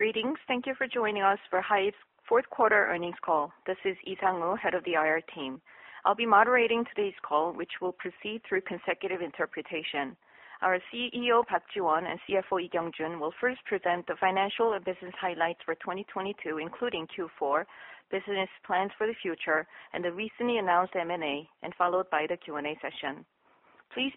Greetings. Thank you for joining us for HYBE's fourth quarter earnings call. This is Lee Sangwoo, head of the IR team. I'll be moderating today's call, which will proceed through consecutive interpretation. Our CEO, Park Jiwon, and CFO, Lee Kyung-jun, will first present the financial and business highlights for 2022, including Q4, business plans for the future, and the recently announced M&A, and followed by the Q&A session. Please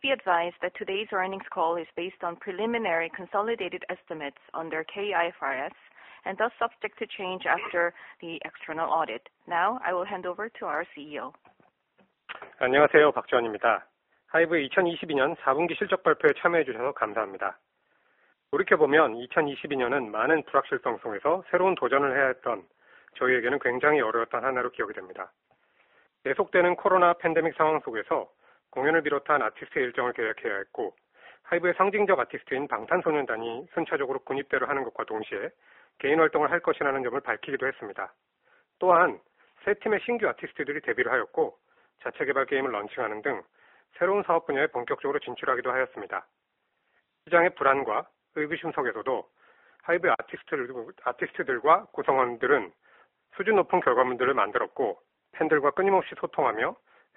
be advised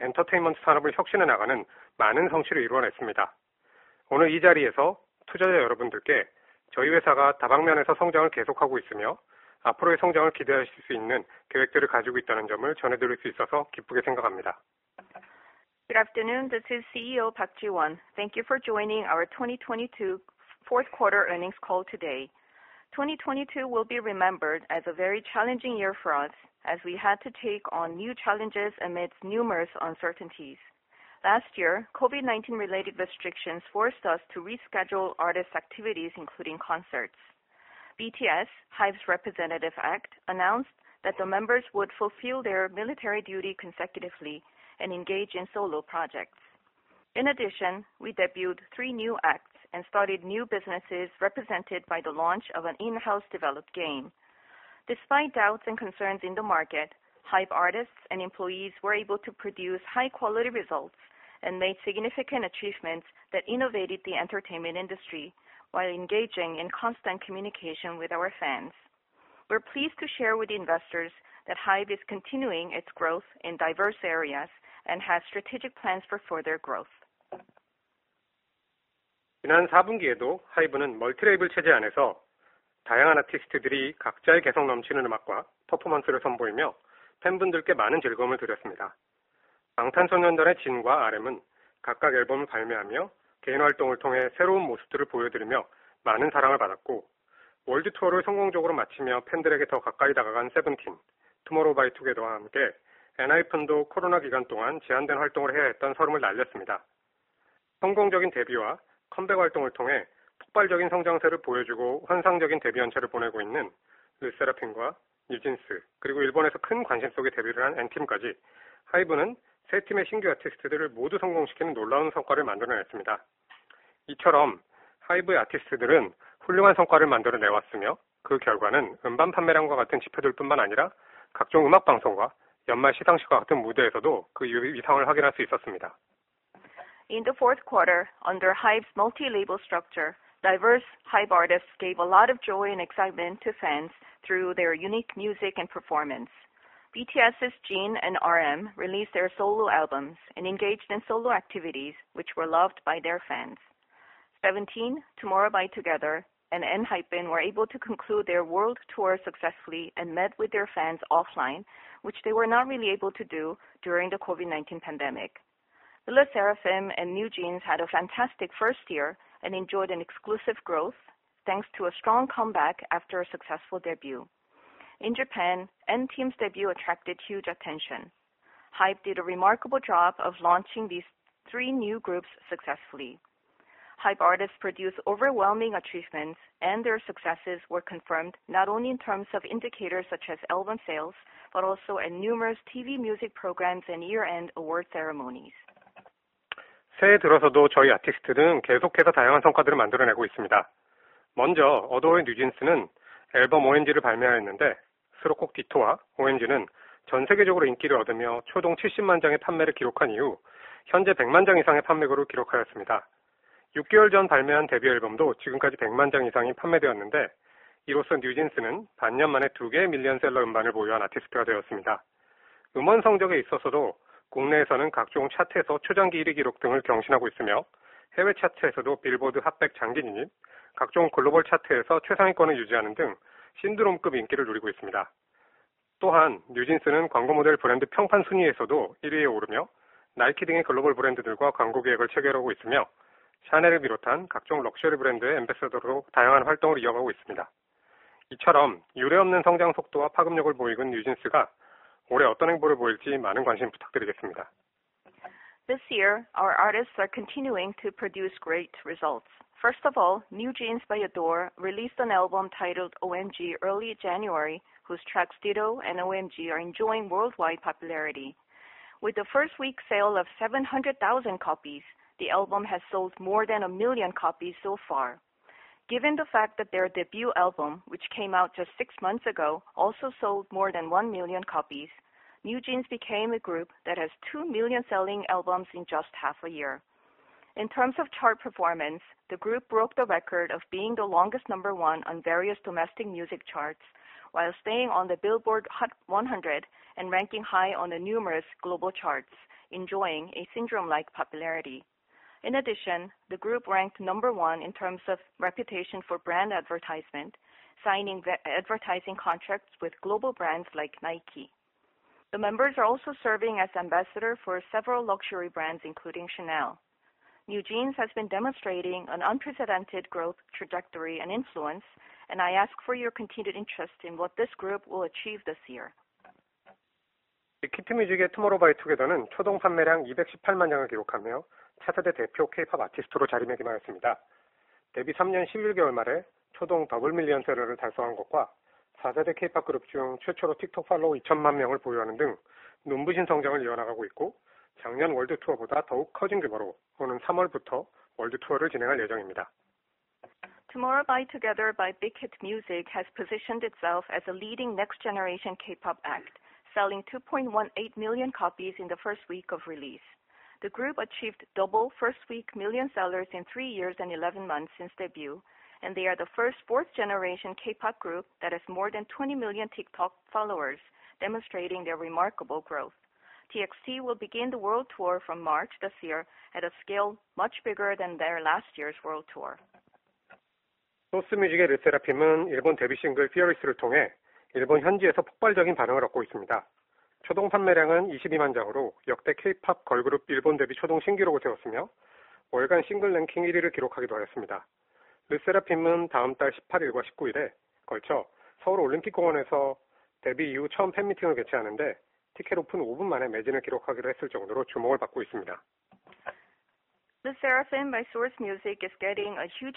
that today's earnings call is based on preliminary consolidated estimates under KIFRS and thus subject to change after the external audit. I will hand over to our CEO. Good afternoon. This is CEO Park Jiwon. Thank you for joining our 2022 fourth quarter earnings call today. 2022 will be remembered as a very challenging year for us as we had to take on new challenges amidst numerous uncertainties. Last year, COVID-19 related restrictions forced us to reschedule artist activities, including concerts. BTS, HYBE's representative act, announced that the members would fulfill their military duty consecutively and engage in solo projects. In addition, we debuted three new acts and started new businesses represented by the launch of an in-house developed game. Despite doubts and concerns in the market, HYBE artists and employees were able to produce high quality results and made significant achievements that innovated the entertainment industry while engaging in constant communication with our fans. We're pleased to share with investors that HYBE is continuing its growth in diverse areas and has strategic plans for further growth. In the fourth quarter, under HYBE's multi-label structure, diverse HYBE artists gave a lot of joy and excitement to fans through their unique music and performance. BTS' Jin and RM released their solo albums and engaged in solo activities, which were loved by their fans. SEVENTEEN, Tomorrow X Together, and ENHYPEN were able to conclude their world tour successfully and met with their fans offline, which they were not really able to do during the COVID-19 pandemic. LE SSERAFIM and NewJeans had a fantastic first year and enjoyed an exclusive growth thanks to a strong comeback after a successful debut. In Japan, &TEAM's debut attracted huge attention. HYBE did a remarkable job of launching these 3 new groups successfully. HYBE artists produced overwhelming achievements, and their successes were confirmed not only in terms of indicators such as album sales, but also in numerous TV music programs and year-end award ceremonies. This year, our artists are continuing to produce great results. First of all, NewJeans by ADOR released an album titled OMG early January, whose tracks Ditto and OMG are enjoying worldwide popularity. With the first-week sale of 700,000 copies, the album has sold more than 1 million copies so far. Given the fact that their debut album, which came out just six months ago, also sold more than 1 million copies, NewJeans became a group that has 2 million-selling albums in just half a year. In terms of chart performance, the group broke the record of being the longest number 1 on various domestic music charts while staying on the Billboard Hot 100 and ranking high on the numerous global charts, enjoying a syndrome-like popularity. In addition, the group ranked number 1 in terms of reputation for brand advertisement, signing the advertising contracts with global brands like Nike. The members are also serving as ambassador for several luxury brands, including Chanel. NewJeans has been demonstrating an unprecedented growth and trajectory and influence, and I ask for your continued interest in what this group will achieve this year. Big Hit Music's Tomorrow X Together by Big Hit Music has positioned itself as a leading next-generation K-pop act, selling 2.18 million copies in the first week of release. The group achieved double first-week million sellers in 3 years and 11 months since debut. They are the first 4th-generation K-pop group that has more than 20 million TikTok followers, demonstrating their remarkable growth. TXT will begin the world tour from March this year at a scale much bigger than their last year's world tour. LE SSERAFIM by Source Music is getting a huge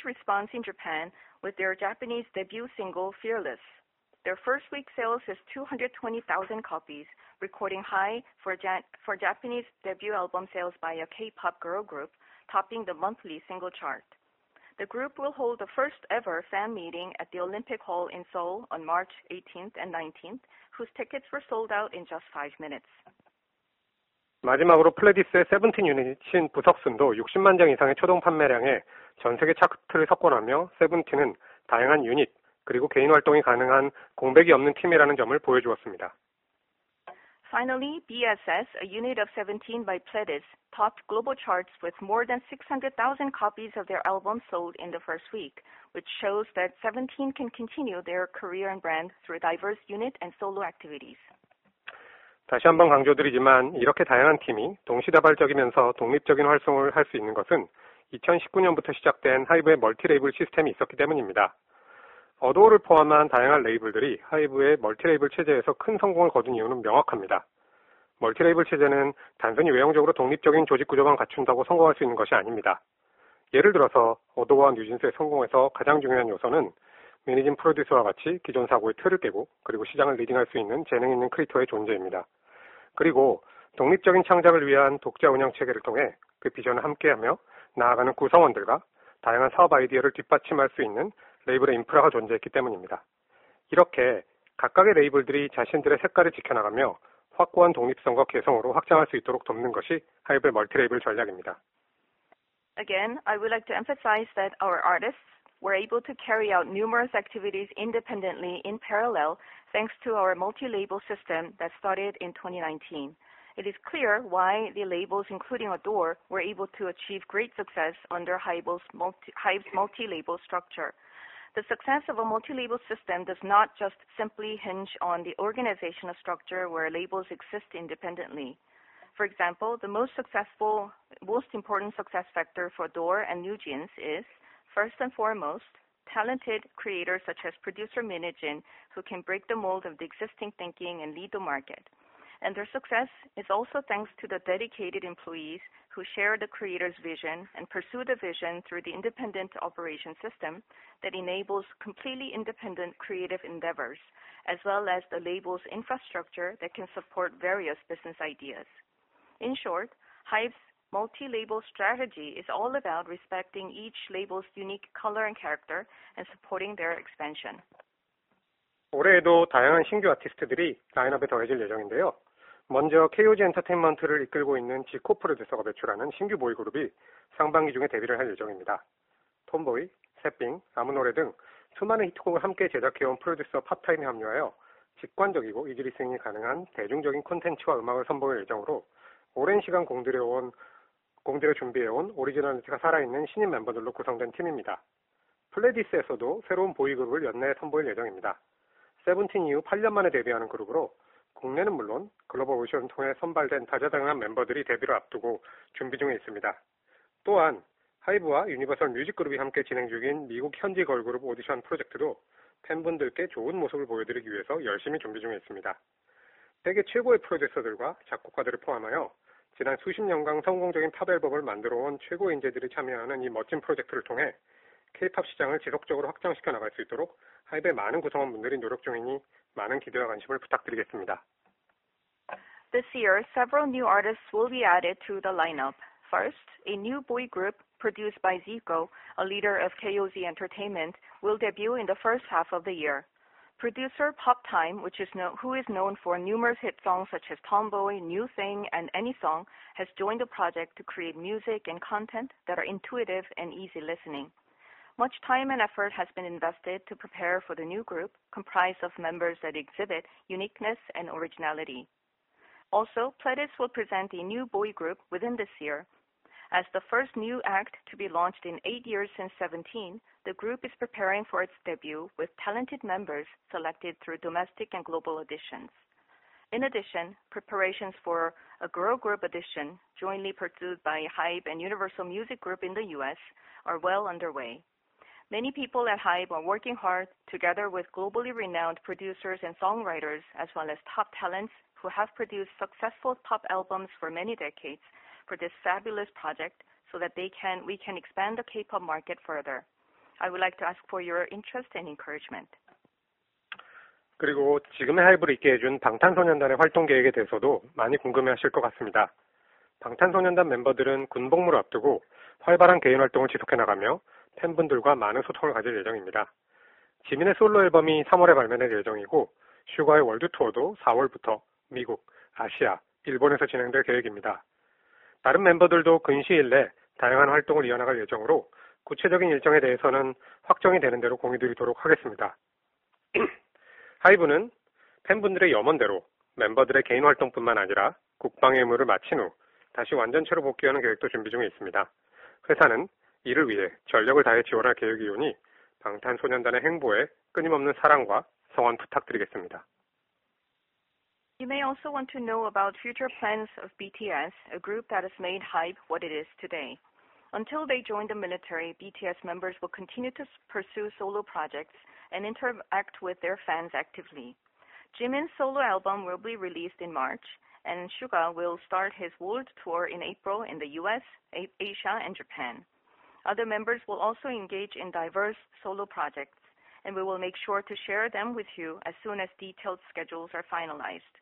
response in Japan with their Japanese debut single, Fearless. Their first week sales is 220,000 copies, recording high for Japanese debut album sales by a K-pop girl group, topping the monthly single chart. The group will hold the first-ever fan meeting at the Olympic Hall in Seoul on March 18th and 19th, whose tickets were sold out in just 5 minutes. BSS, a unit of SEVENTEEN by Pledis, topped global charts with more than 600,000 copies of their albums sold in the first week, which shows that SEVENTEEN can continue their career and brand through diverse unit and solo activities. I would like to emphasize that our artists were able to carry out numerous activities independently in parallel, thanks to our multi-label system that started in 2019. It is clear why the labels, including ADOR, were able to achieve great success under HYBE's multi-label structure. The success of a multi-label system does not just simply hinge on the organizational structure where labels exist independently. For example, the most important success factor for ADOR and NewJeans is, first and foremost, talented creators such as producer Min Hee-jin, who can break the mold of the existing thinking and lead the market. Their success is also thanks to the dedicated employees who share the creators' vision and pursue the vision through the independent operation system that enables completely independent creative endeavors, as well as the label's infrastructure that can support various business ideas. In short, HYBE's multi-label strategy is all about respecting each label's unique color and character and supporting their expansion. This year, several new artists will be added to the lineup. First, a new boy group produced by Zico, a leader of KOZ Entertainment, will debut in the first half of the year. Producer Pop Time, who is known for numerous hit songs such as Tomboy, New Thing, and Any Song, has joined the project to create music and content that are intuitive and easy listening. Much time and effort has been invested to prepare for the new group comprised of members that exhibit uniqueness and originality. Pledis will present a new boy group this year as the first new act to be launched in eight years since Seventeen. The group is preparing for its debut with talented members selected through domestic and global auditions. Preparations for a girl group audition jointly pursued by HYBE and Universal Music Group in the U.S. are well underway. Many people at HYBE are working hard together with globally renowned producers and songwriters, as well as top talents who have produced successful pop albums for many decades for this fabulous project, so that we can expand the K-pop market further. I would like to ask for your interest and encouragement. You may also want to know about future plans of BTS, a group that has made HYBE what it is today. Until they join the military, BTS members will continue to pursue solo projects and interact with their fans actively. Jimin's solo album will be released in March, Suga will start his world tour in April in the U.S., Asia, and Japan. Other members will also engage in diverse solo projects, we will make sure to share them with you as soon as detailed schedules are finalized.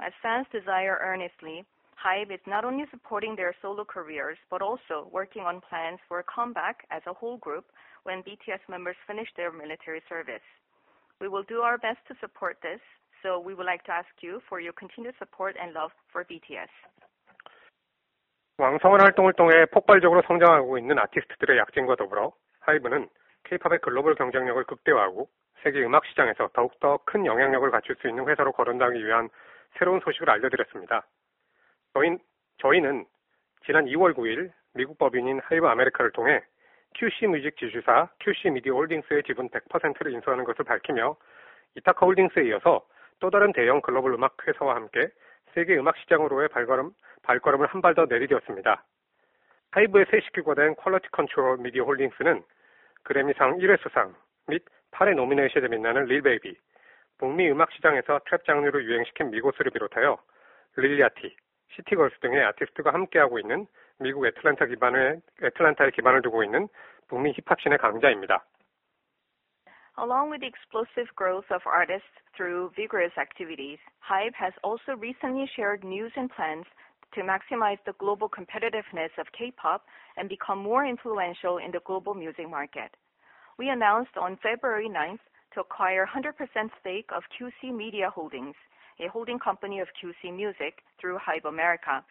As fans desire earnestly, HYBE is not only supporting their solo careers, but also working on plans for a comeback as a whole group when BTS members finish their military service. We will do our best to support this, we would like to ask you for your continued support and love for BTS. Along with the explosive growth of artists through vigorous activities, HYBE has also recently shared news and plans to maximize the global competitiveness of K-pop and become more influential in the global music market. We announced on February 9th to acquire 100% stake of QC Media Holdings, a holding company of Quality Control Music through HYBE America,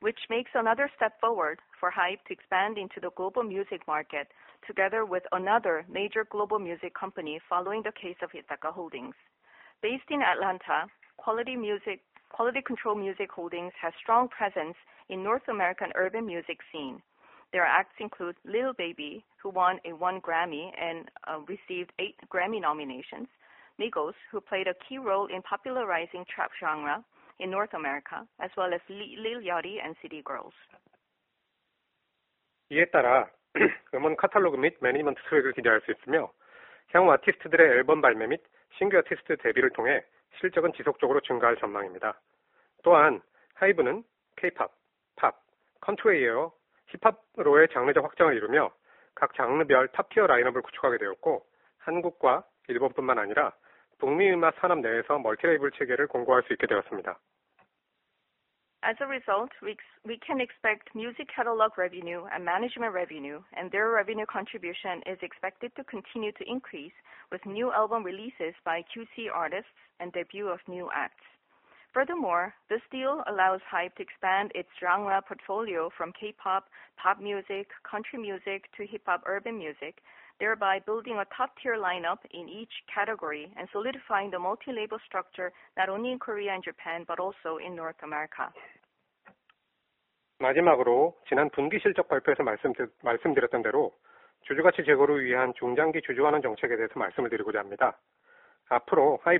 which makes another step forward for HYBE to expand into the global music market together with another major global music company following the case of Ithaca Holdings. Based in Atlanta, Quality Control Music... Quality Control Music Holdings has strong presence in North American urban music scene. Their acts include Lil Baby, who won a 1 Grammy and received 8 Grammy nominations. Migos, who played a key role in popularizing trap genre in North America, as well as Lil Yachty and City Girls. As a result, we can expect music catalog revenue and management revenue, and their revenue contribution is expected to continue to increase with new album releases by QC artists and debut of new acts. Furthermore, this deal allows HYBE to expand its genre portfolio from K-pop, pop music, country music to hip hop, urban music, thereby building a top-tier lineup in each category and solidifying the multi-label structure not only in Korea and Japan, but also in North America. 회사에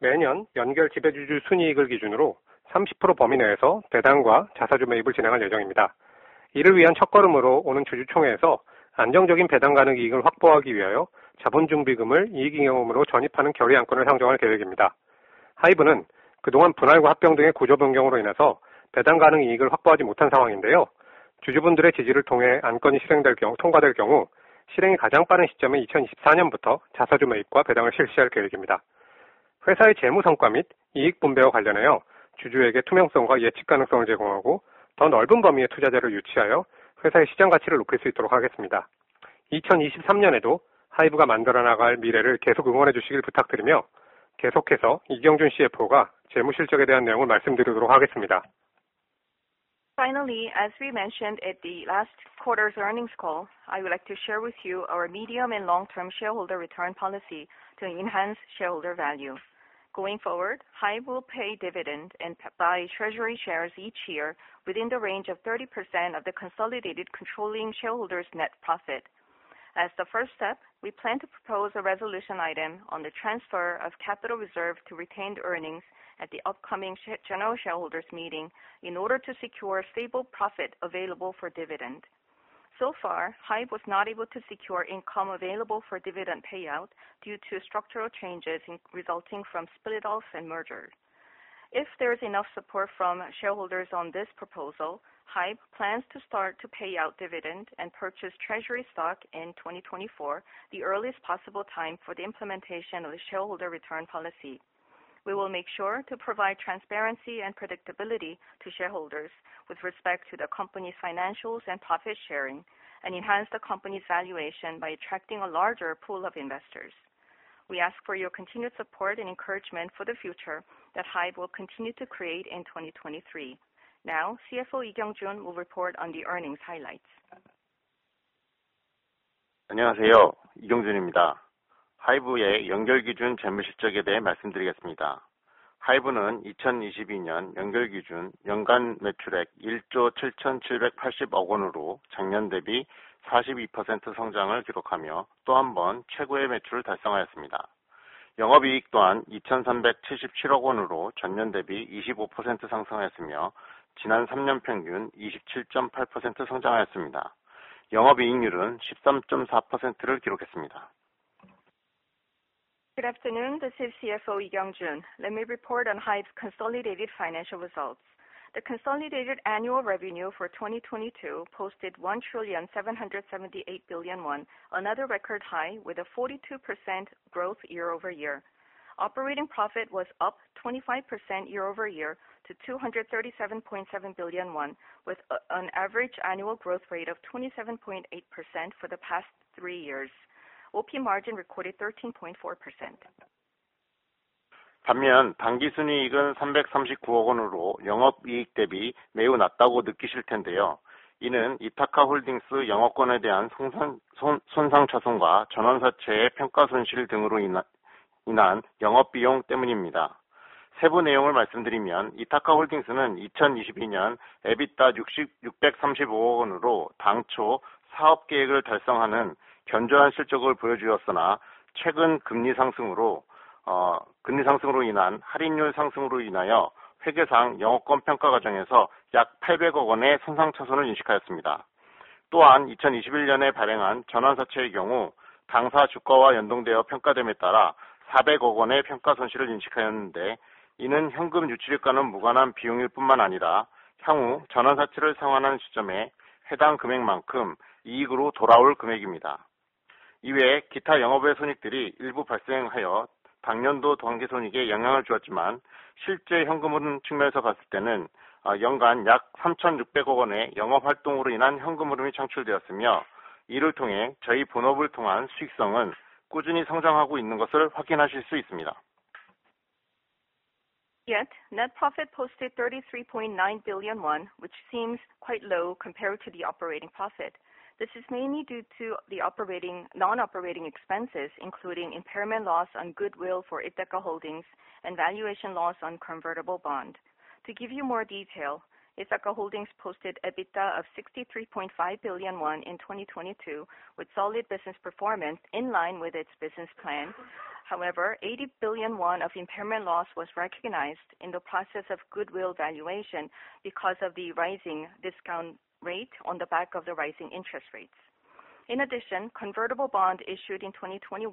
재무 성과 및 이익 분배와 관련하여 주주에게 투명성과 예측 가능성을 제공하고, 더 넓은 범위의 투자자를 유치하여 회사의 시장 가치를 높일 수 있도록 하겠습니다. 2023년에도 HYBE가 만들어 나갈 미래를 계속 응원해 주시길 부탁드리며, 계속해서 Lee Kyung-jun CFO가 재무실적에 대한 내용을 말씀드리도록 하겠습니다. Finally, as we mentioned at the last quarter's earnings call, I would like to share with you our medium and long-term shareholder return policy to enhance shareholder value. Going forward, HYBE will pay dividend and buy treasury shares each year within the range of 30% of the consolidated controlling shareholder's net profit. As the first step, we plan to propose a resolution item on the transfer of capital reserve to retained earnings at the upcoming general shareholders meeting in order to secure stable profit available for dividend. So far, HYBE was not able to secure income available for dividend payout due to structural changes resulting from split offs and merger. If there is enough support from shareholders on this proposal, HYBE plans to start to pay out dividend and purchase treasury stock in 2024, the earliest possible time for the implementation of the shareholder return policy. We will make sure to provide transparency and predictability to shareholders with respect to the company's finances and profit sharing, and enhance the company's valuation by attracting a larger pool of investors. We ask for your continued support and encouragement for the future that HYBE will continue to create in 2023. Now, CFO Lee Kyung-jun will report on the earnings highlights. 안녕하세요. 이경준입니다. HYBE의 연결기준 재무실적에 대해 말씀드리겠습니다. HYBE는 2022년 연결기준 연간 매출액 KRW 1,778,000,000,000으로 작년 대비 42% 성장을 기록하며 또한번 최고의 매출을 달성하였습니다. 영업이익 또한 KRW 237,700,000,000으로 전년 대비 25% 상승하였으며, 지난 3년 평균 27.8% 성장하였습니다. 영업이익률은 13.4%를 기록했습니다. Good afternoon. This is CFO Lee Kyung-jun. Let me report on HYBE's consolidated financial results. The consolidated annual revenue for 2022 posted 1,778 billion won, another record high with a 42% growth year-over-year. Operating profit was up 25% year-over-year to 237.7 billion won, with an average annual growth rate of 27.8% for the past three years. OP margin recorded 13.4%. 반면, 당기순이익은 삼백삼십구억원으로 영업이익 대비 매우 낮다고 느끼실 텐데요. 이는 이타카 홀딩스 영업권에 대한 손상, 손, 손상차손과 전환사채의 평가손실 등으로 인한, 인한 영업비용 때문입니다. 세부 내용을 말씀드리면, 이타카 홀딩스는 2022년 EBITDA 육십... 육백삼십오억원으로 당초 사업 계획을 달성하는 견조한 실적을 보여주었으나, 최근 금리 상승으로, 어... 금리 상승으로 인한 할인율 상승으로 인하여 회계상 영업권 평가 과정에서 약 팔백억원의 손상차손을 인식하였습니다. 또한 2021년에 발행한 전환사채의 경우 당사 주가와 연동되어 평가됨에 따라 사백억원의 평가손실을 인식하였는데, 이는 현금 유출입과는 무관한 비용일 뿐만 아니라, 향후 전환사채를 상환하는 시점에 해당 금액만큼 이익으로 돌아올 금액입니다. 이외 기타 영업외 손익들이 일부 발생하여 당년도 당기순이익에 영향을 주었지만, 실제 현금흐름 측면에서 봤을 때는, 어... 연간 약 삼천육백억원에 영업활동으로 인한 현금흐름이 창출되었으며, 이를 통해 저희 본업을 통한 수익성은 꾸준히 성장하고 있는 것을 확인하실 수 있습니다. Net profit posted 33.9 billion won, which seems quite low compared to the operating profit. This is mainly due to non-operating expenses, including impairment loss on goodwill for Ithaca Holdings and valuation loss on convertible bond. To give you more detail, Ithaca Holdings posted EBITDA of 63.5 billion won in 2022 with solid business performance in line with its business plan. 80 billion won of impairment loss was recognized in the process of goodwill valuation because of the rising discount rate on the back of the rising interest rates. Convertible bond issued in 2021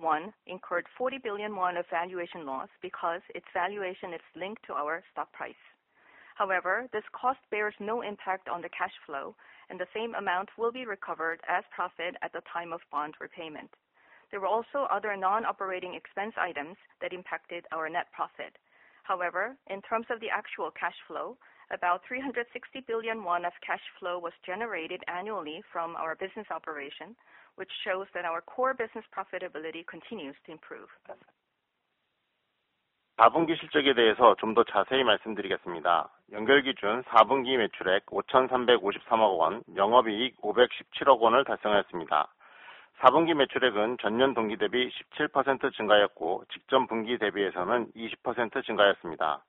incurred 40 billion of valuation loss because its valuation is linked to our stock price. This cost bears no impact on the cash flow, and the same amount will be recovered as profit at the time of bond repayment. There were also other non-operating expense items that impacted our net profit. In terms of the actual cash flow, about 360 billion won of cash flow was generated annually from our business operations, which shows that our core business profitability continues to improve. Q4 실적에 대해서 좀더 자세히 말씀드리겠습니다. 연결기준 Q4 매출액 KRW 535.3 billion, 영업이익 KRW 51.7 billion을 달성하였습니다. Q4 매출액은 전년 동기 대비 17% 증가하였고, 직전 분기 대비해서는 20% 증가하였습니다.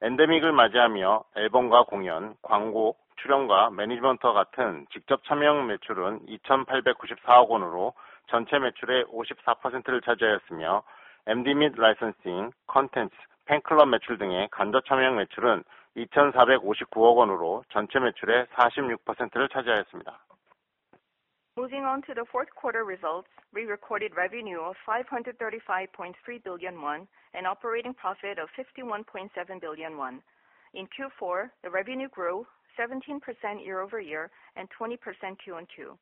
엔데믹을 맞이하며 앨범과 공연, 광고, 출연과 매니지먼트와 같은 직접 참여형 매출은 289.4 billion으로 전체 매출의 54%를 차지하였으며, MD 및 Licensing, Contents, Fanclub 매출 등의 간접 참여형 매출은 245.9 billion으로 전체 매출의 46%를 차지하였습니다. Moving on to the fourth quarter results. We recorded revenue of 535.3 billion won and operating profit of 51.7 billion won. In Q4, the revenue grew 17% year-over-year and 20% Q-on-Q.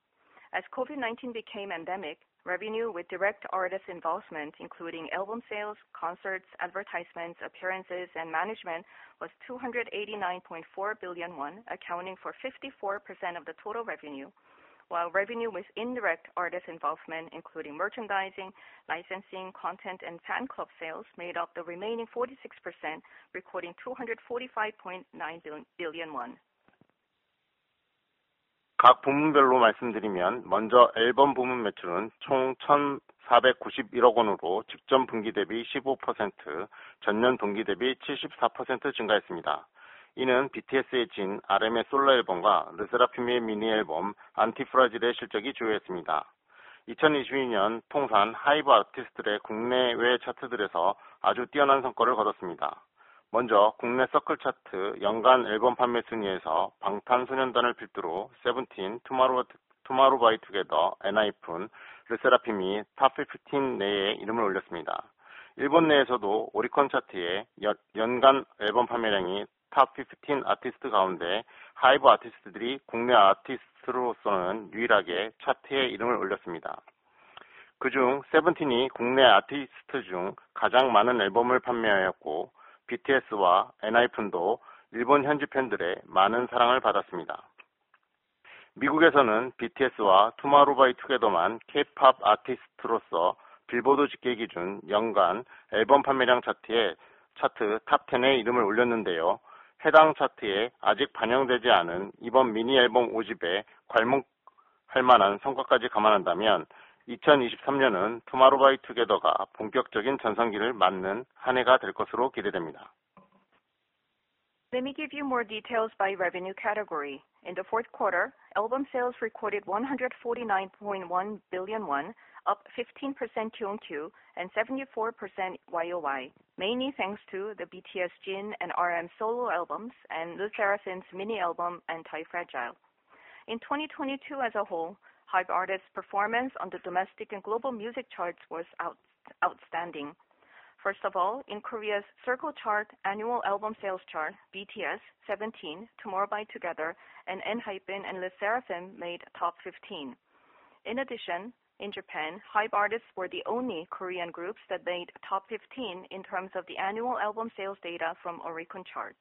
As COVID-19 became endemic, revenue with direct artist involvement, including album sales, concerts, advertisements, appearances, and management, was 289.4 billion won, accounting for 54% of the total revenue. While revenue with indirect artist involvement, including merchandising, licensing, content, and fan club sales, made up the remaining 46%, recording KRW 245.9 billion. Let me give you more details by revenue category. In the fourth quarter, album sales recorded KRW 149.1 billion, up 15% Q-on-Q and 74% Y-o-Y, mainly thanks to the BTS Jin and RM solo albums and LE SSERAFIM's mini album ANTIFRAGILE. In 2022 as a whole, HYBE artists' performance on the domestic and global music charts was outstanding. First of all, in Korea's Circle Chart annual album sales chart, BTS, SEVENTEEN, Tomorrow X Together, ENHYPEN, LE SSERAFIM made top 15. In addition, in Japan, HYBE artists were the only Korean groups that made top 15 in terms of the annual album sales data from Oricon Chart.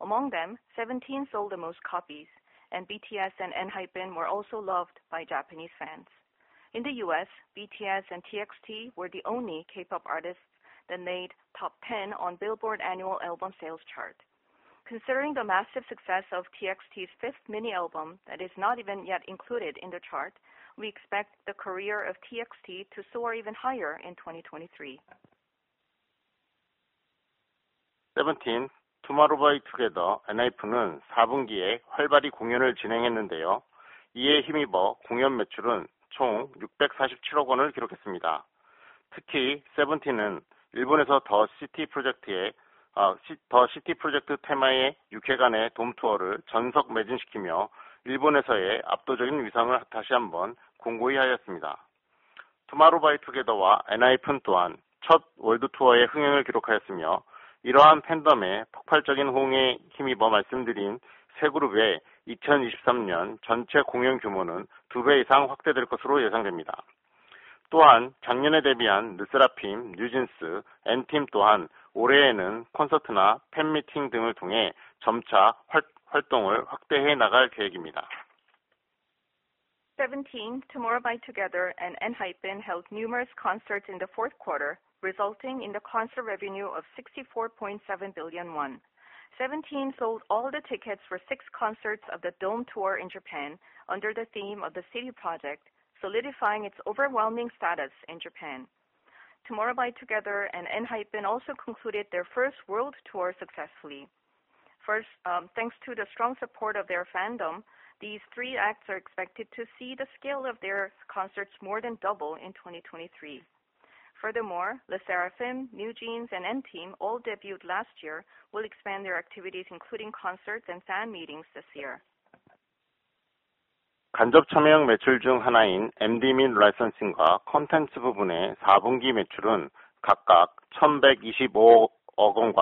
Among them, SEVENTEEN sold the most copies, and BTS and ENHYPEN were also loved by Japanese fans. In the U.S., BTS and TXT were the only K-pop artists that made top 10 on the Billboard annual album sales chart. Considering the massive success of TXT's fifth mini album, that is not even yet included in the chart, we expect the career of TXT to soar even higher in 2023. SEVENTEEN, Tomorrow X Together, ENHYPEN, SEVENTEEN, Tomorrow X Together, and ENHYPEN held numerous concerts in the fourth quarter, resulting in the concert revenue of 64.7 billion won. SEVENTEEN sold all the tickets for 6 concerts of the Dome Tour in Japan under the theme of THE CITY Project, solidifying its overwhelming status in Japan. Tomorrow X Together and ENHYPEN also concluded their first world tour successfully. First, thanks to the strong support of their fandom, these three acts are expected to see the scale of their concerts more than double in 2023. Furthermore, LE SSERAFIM, NewJeans, and &TEAM, all debuted last year, will expand their activities, including concerts and fan meetings this year. Of the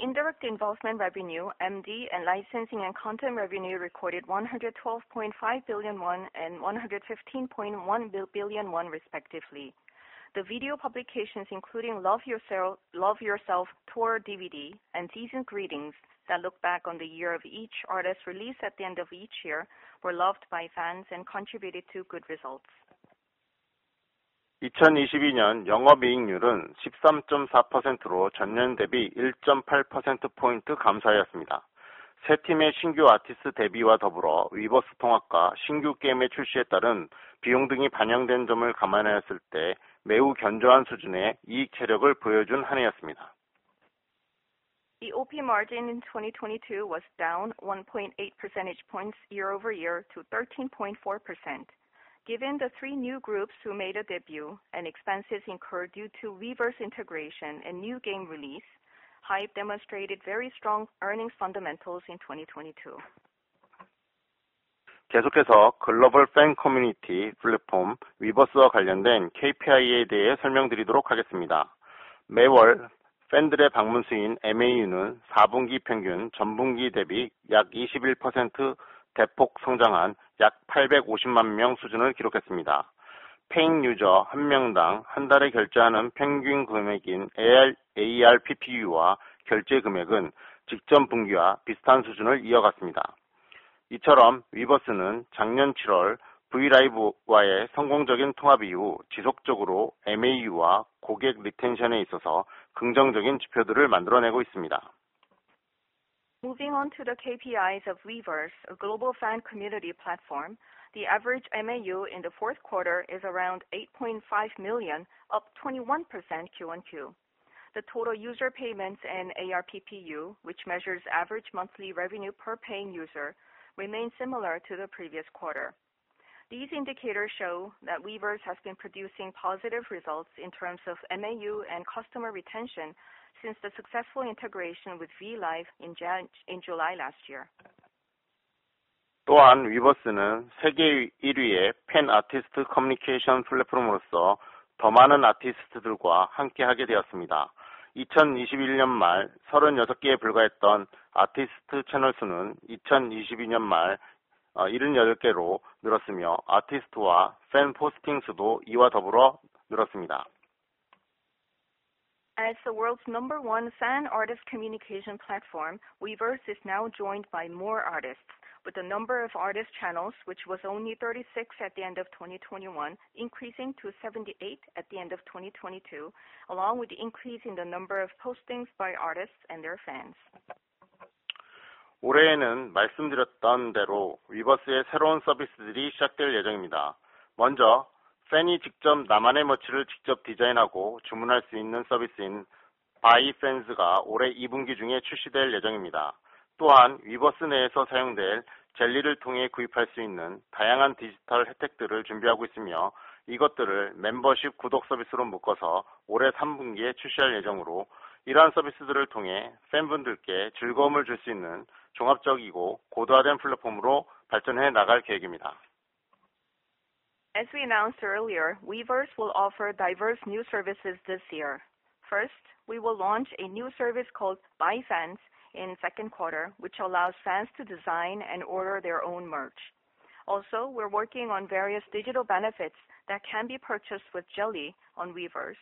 indirect involvement revenue, MD and licensing and content revenue recorded 112.5 billion won and 115.1 billion, respectively. The video publications including Love Yourself, Love Yourself Tour DVD, and Season's Greetings that look back on the year of each artist release at the end of each year, were loved by fans and contributed to good results. The OP margin in 2022 was down 1.8 percentage points year-over-year to 13.4%. Given the three new groups who made a debut and expenses incurred due to Weverse integration and new game release, HYBE demonstrated very strong earnings fundamentals in 2022. 계속해서 글로벌 팬 커뮤니티 플랫폼 위버스와 관련된 KPI에 대해 설명드리도록 하겠습니다. 매월 팬들의 방문 수인 MAU는 사분기 평균 전분기 대비 약 이십일 퍼센트 대폭 성장한 약 팔백오십만 명 수준을 기록했습니다. 페이 유저 한 명당 한 달에 결제하는 평균 금액인 AR, ARPPU와 결제 금액은 직전 분기와 비슷한 수준을 이어갔습니다. 이처럼 위버스는 작년 7월 V LIVE와의 성공적인 통합 이후 지속적으로 MAU와 고객 리텐션에 있어서 긍정적인 지표들을 만들어내고 있습니다. Moving on to the KPIs of Weverse, a global fan community platform. The average MAU in the fourth quarter is around 8.5 million, up 21% Q1Q. The total user payments and ARPPU, which measures average monthly revenue per paying user, remain similar to the previous quarter. These indicators show that Weverse has been producing positive results in terms of MAU and customer retention since the successful integration with V Live in July last year. 또한 위버스는 세계 일위의 팬 아티스트 커뮤니케이션 플랫폼으로서 더 많은 아티스트들과 함께 하게 되었습니다. 이천이십일 년말 서른여섯 개에 불과했던 아티스트 채널 수는 이천이십이 년 말, 어... 일흔여덟 개로 늘었으며, 아티스트와 팬 포스팅 수도 이와 더불어 늘었습니다. As the world's number one fan-artist communication platform, Weverse is now joined by more artists with the number of artist channels, which was only 36 at the end of 2021, increasing to 78 at the end of 2022, along with the increase in the number of postings by artists and their fans. 올해에는 말씀드렸던 대로 위버스의 새로운 서비스들이 시작될 예정입니다. 먼저 팬이 직접 나만의 머치를 직접 디자인하고 주문할 수 있는 서비스인 바이 팬스가 올해 이 분기 중에 출시될 예정입니다. 또한 위버스 내에서 사용될 젤리를 통해 구입할 수 있는 다양한 디지털 혜택들을 준비하고 있으며, 이것들을 멤버십 구독 서비스로 묶어서 올해 삼 분기에 출시할 예정으로 이러한 서비스들을 통해 팬분들께 즐거움을 줄수 있는 종합적이고 고도화된 플랫폼으로 발전해 나갈 계획입니다. As we announced earlier, Weverse will offer diverse new services this year. First, we will launch a new service called By Fans in second quarter, which allows fans to design and order their own merch. Also, we're working on various digital benefits that can be purchased with Jelly on Weverse.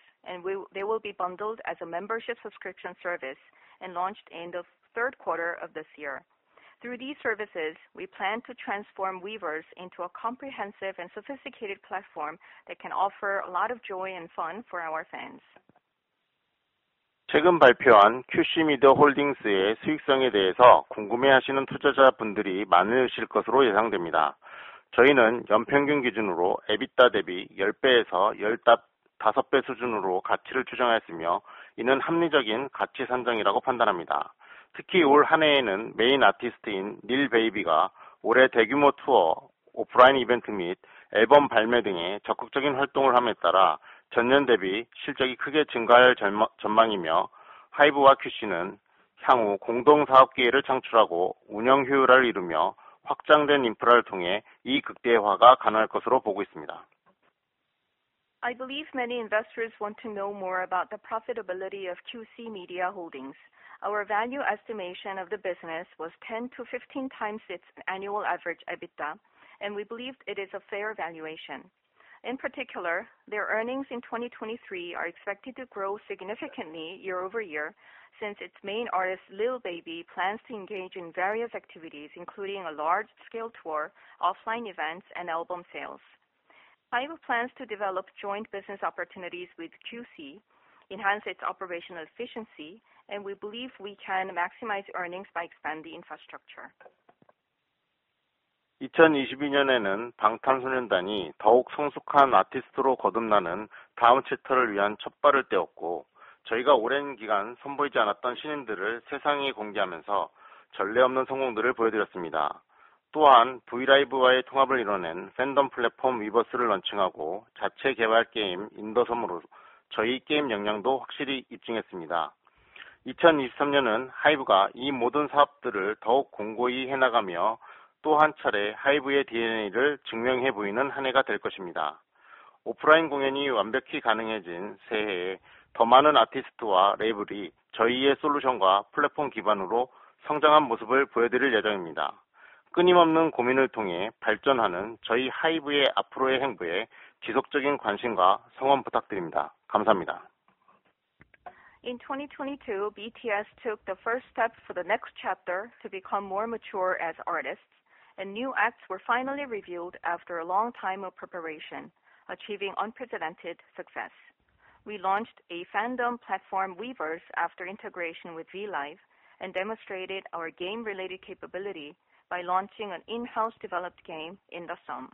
They will be bundled as a membership subscription service and launched end of third quarter of this year. Through these services, we plan to transform Weverse into a comprehensive and sophisticated platform that can offer a lot of joy and fun for our fans. 최근 발표한 QC Media Holdings의 수익성에 대해서 궁금해하시는 투자자분들이 많으실 것으로 예상됩니다. 저희는 연평균 기준으로 EBITDA 대비 10배에서 15배 수준으로 가치를 추정하였으며, 이는 합리적인 가치 산정이라고 판단합니다. 특히 올한 해에는 메인 아티스트인 Lil Baby가 올해 대규모 투어, 오프라인 이벤트 및 앨범 발매 등의 적극적인 활동을 함에 따라 전년 대비 실적이 크게 증가할 전망이며, HYBE와 QC는 향후 공동 사업 기회를 창출하고 운영 효율화를 이루며 확장된 인프라를 통해 시너지 극대화가 가능할 것으로 보고 있습니다. I believe many investors want to know more about the profitability of QC Media Holdings. Our value estimation of the business was 10-15 times its annual average EBITDA, and we believe it is a fair valuation. In particular, their earnings in 2023 are expected to grow significantly year-over-year, since its main artist, Lil Baby, plans to engage in various activities including a large-scale tour, offline events, and album sales. HYBE plans to develop joint business opportunities with QC, enhance its operational efficiency, and we believe we can maximize earnings by expanding infrastructure. 2022년에는 BTS가 더욱 성숙한 아티스트로 거듭나는 다음 챕터를 위한 첫발을 떼었고, 저희가 오랜 기간 선보이지 않았던 신인들을 세상에 공개하면서 전례 없는 성공들을 보여드렸습니다. V Live와의 통합을 이뤄낸 팬덤 플랫폼 Weverse를 런칭하고 자체 개발 게임 In the SEOM으로 저희 게임 역량도 확실히 입증했습니다. 2023년은 HYBE가 이 모든 사업들을 더욱 공고히 해나가며 또한 차례 HYBE의 DNA를 증명해 보이는 한 해가 될 것입니다. 오프라인 공연이 완벽히 가능해진 새해에 더 많은 아티스트와 레이블이 저희의 솔루션과 플랫폼 기반으로 성장한 모습을 보여드릴 예정입니다. 끊임없는 고민을 통해 발전하는 저희 HYBE의 앞으로의 행보에 지속적인 관심과 성원 부탁드립니다. 감사합니다. In 2022, BTS took the first step for the next chapter to become more mature as artists. New acts were finally revealed after a long time of preparation, achieving unprecedented success. We launched a fandom platform, Weverse, after integration with V Live, and demonstrated our game related capability by launching an in-house developed game, In the SEOM.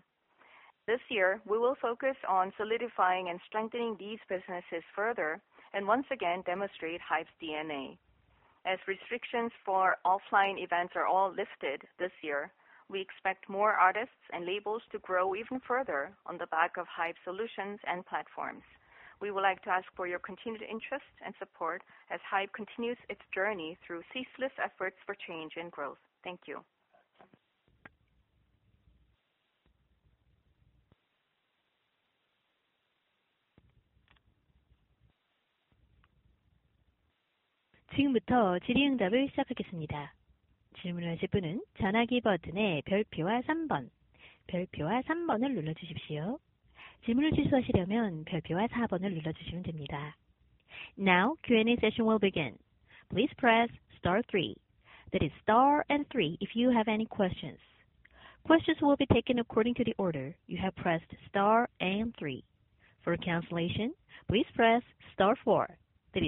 This year we will focus on solidifying and strengthening these businesses further and once again demonstrate HYBE's DNA. As restrictions for offline events are all lifted this year, we expect more artists and labels to grow even further on the back of HYBE solutions and platforms. We would like to ask for your continued interest and support as HYBE continues its journey through ceaseless efforts for change and growth. Thank you. Now, Q&A session will begin. Please press star three. That is star and three if you have any questions. Questions will be taken according to the order you have pressed star and 3. For cancellation, please press star 4. That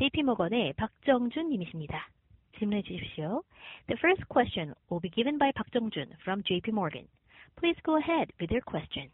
is star and 4 on your phone. The first question will be given by Park Jung-joon from JP Morgan. Please go ahead with your question.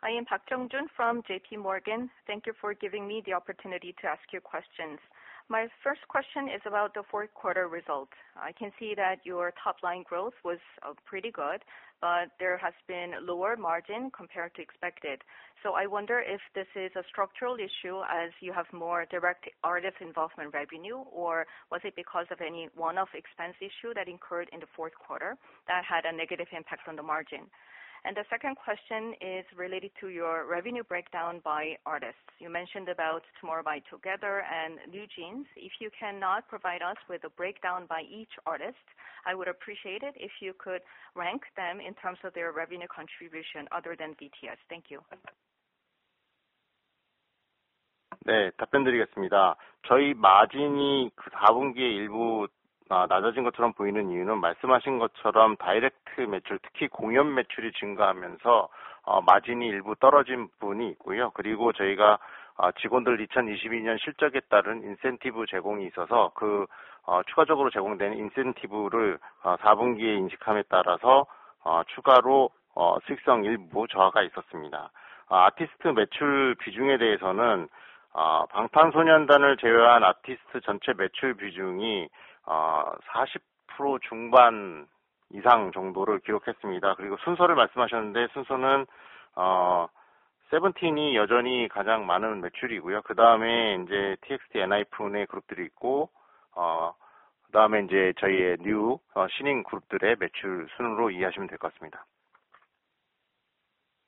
I am Park Jung-joon from JP Morgan. Thank you for giving me the opportunity to ask you questions. My first question is about the fourth quarter results. I can see that your top line growth was pretty good, but there has been lower margin compared to expected. I wonder if this is a structural issue as you have more direct artist involvement revenue, or was it because of any one-off expense issue that incurred in the fourth quarter that had a negative impact on the margin? The second question is related to your revenue breakdown by artists. You mentioned about Tomorrow X Together and NewJeans. If you cannot provide us with a breakdown by each artist, I would appreciate it if you could rank them in terms of their revenue contribution other than BTS. Thank you.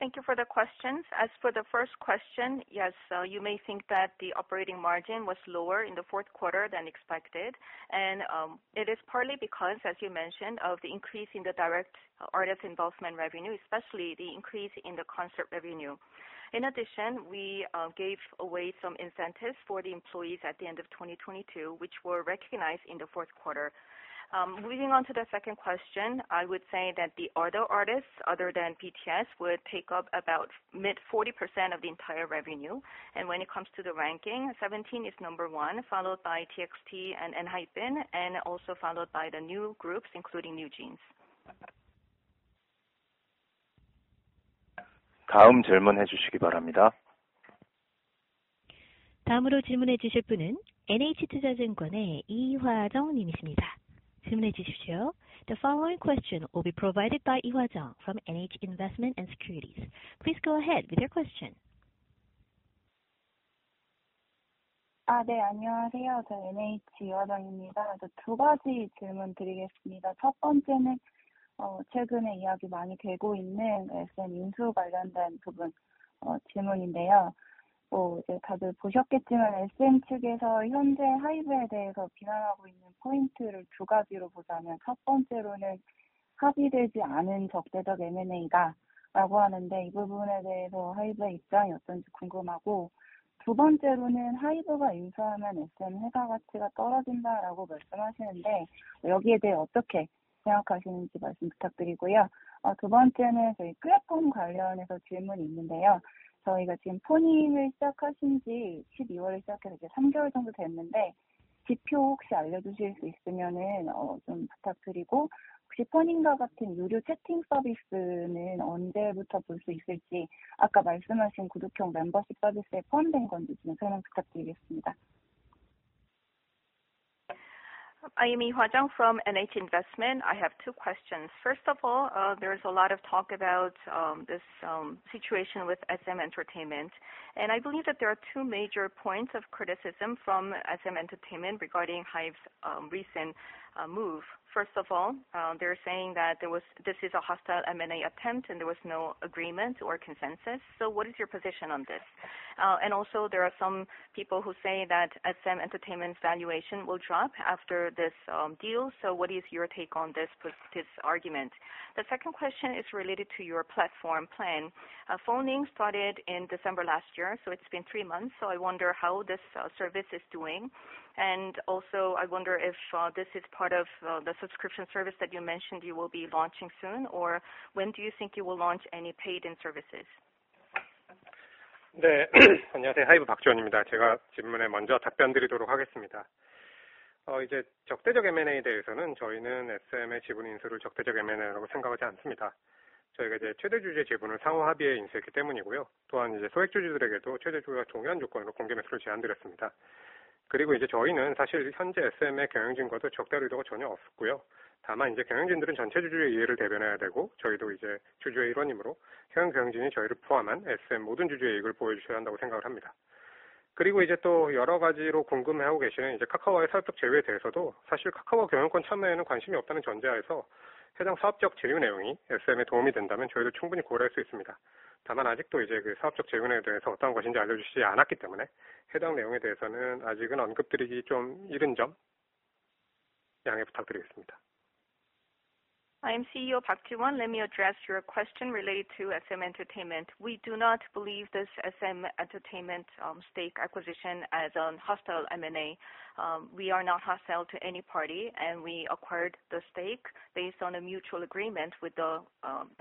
Thank you for the questions. As for the first question, yes, you may think that the operating margin was lower in the fourth quarter than expected. It is partly because, as you mentioned, of the increase in the direct artist involvement revenue, especially the increase in the concert revenue. In addition, we gave away some incentives for the employees at the end of 2022, which were recognized in the fourth quarter. Moving on to the second question, I would say that the other artists other than BTS would take up about mid-40% of the entire revenue. When it comes to the ranking, SEVENTEEN is number one, followed by TXT and ENHYPEN, and also followed by the new groups, including NewJeans. The following question will be provided by Lee Hwa-jeong from NH Investment & Securities. Please go ahead with your question. Hello. I am Lee Hwa-jeong from NH Investment. I have two questions. First of all, there is a lot of talk about this situation with SM Entertainment, and I believe that there are two major points of criticism from SM Entertainment regarding HYBE's recent move. First of all, they're saying that this is a hostile M&A attempt and there was no agreement or consensus. What is your position on this? Also there are some people who say that SM Entertainment's valuation will drop after this deal. What is your take on this argument? The second question is related to your platform plan. Phoning started in December last year, so it's been three months. I wonder how this service is doing. Also, I wonder if this is part of the subscription service that you mentioned you will be launching soon, or when do you think you will launch any paid-in services? 안녕하세요. HYBE Park Jiwon입니다. 제가 질문에 먼저 답변드리도록 하겠습니다. 이제 적대적 M&A에 대해서는 저희는 SM의 지분 인수를 적대적 M&A라고 생각하지 않습니다. 저희가 이제 최대 주주의 지분을 상호 합의해 인수했기 때문이고요. 또한 이제 소액 주주들에게도 최대 주주와 동일한 조건으로 공개 매수를 제안드렸습니다. 이제 저희는 사실 현재 SM의 경영진과도 적대 의도가 전혀 없었고요. 다만 이제 경영진들은 전체 주주의 이해를 대변해야 되고 저희도 이제 주주의 일원이므로 현 경영진이 저희를 포함한 SM 모든 주주의 이익을 보호해 주셔야 한다고 생각을 합니다. 이제 또 여러 가지로 궁금해하고 계시는 이제 Kakao의 사업적 제외에 대해서도 사실 Kakao 경영권 참여에는 관심이 없다는 전제하에서 해당 사업적 제휴 내용이 SM에 도움이 된다면 저희도 충분히 고려할 수 있습니다. 다만 아직도 이제 그 사업적 제휴 내용에 대해서 어떠한 것인지 알려주시지 않았기 때문에 해당 내용에 대해서는 아직은 언급드리기 좀 이른 점 양해 부탁드리겠습니다. I am CEO Park Jiwon. Let me address your question related to SM Entertainment. We do not believe this SM Entertainment stake acquisition as a hostile M&A. We are not hostile to any party, and we acquired the stake based on a mutual agreement with the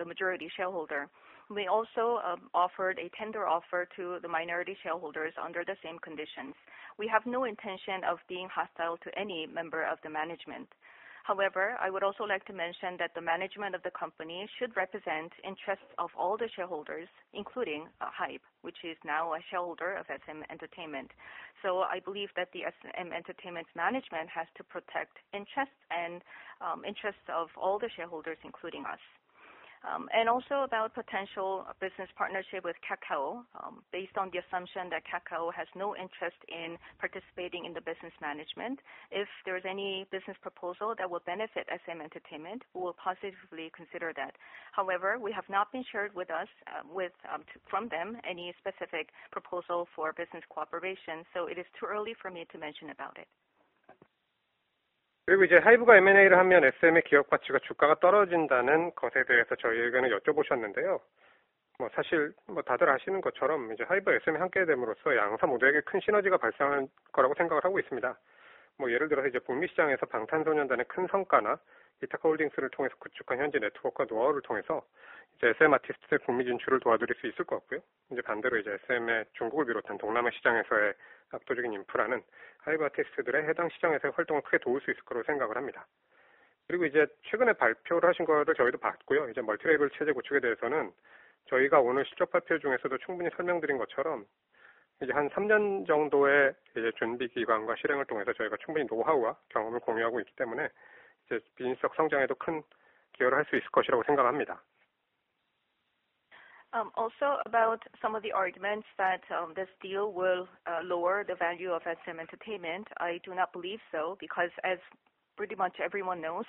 majority shareholder. We also offered a tender offer to the minority shareholders under the same conditions. We have no intention of being hostile to any member of the management. However, I would also like to mention that the management of the company should represent interests of all the shareholders, including HYBE, which is now a shareholder of SM Entertainment. I believe that the SM Entertainment management has to protect interests and interests of all the shareholders, including us. And also about potential business partnership with Kakao. Based on the assumption that Kakao has no interest in participating in the business management, if there is any business proposal that will benefit SM Entertainment, we will positively consider that. However, we have not been shared with us from them any specific proposal for business cooperation, it is too early for me to mention about it. 이제 HYBE가 M&A를 하면 SM의 기업 가치가 주가가 떨어진다는 것에 대해서 저희에게는 여쭤보셨는데요. 다들 아시는 것처럼 이제 HYBE와 SM이 함께됨으로써 양사 모두에게 큰 시너지가 발생하는 거라고 생각을 하고 있습니다. 예를 들어서 이제 북미 시장에서 방탄소년단단 큰 성과나 Ithaca Holdings를 통해서 구축한 현지 네트워크와 노하우를 통해서 이제 SM 아티스트의 북미 진출을 도와드릴 수 있을 것 같고요. 이제 반대로 이제 SM의 중국을 비롯한 동남아 시장에서의 압도적인 인프라는 HYBE 아티스트들의 해당 시장에서의 활동을 크게 도울 수 있을 거로 생각을 합니다. 이제 최근에 발표를 하신 거를 저희도 봤고요. 이제 multi-label 체제 구축에 대해서는 저희가 오늘 실적 파트 중에서도 충분히 설명드린 것처럼 이제 한 3년 정도의 이제 준비 기간과 실행을 통해서 저희가 충분히 노하우와 경험을 공유하고 있기 때문에 이제 비즈니스적 성장에도 큰 기여를 할수 있을 것이라고 생각을 합니다. Also about some of the arguments that this deal will lower the value of SM Entertainment. I do not believe so because as pretty much everyone knows,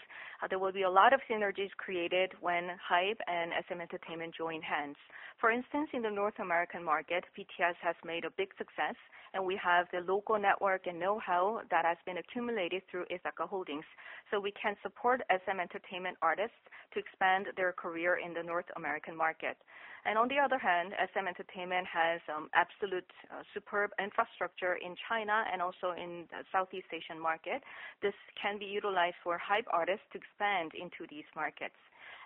there will be a lot of synergies created when HYBE and SM Entertainment join hands. For instance, in the North American market, BTS has made a big success, and we have the local network and know-how that has been accumulated through Ithaca Holdings, so we can support SM Entertainment artists to expand their career in the North American market. On the other hand, SM Entertainment has absolute superb infrastructure in China and also in the Southeast Asian market. This can be utilized for HYBE artists to expand into these markets.